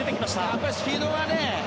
やっぱりスピードがね。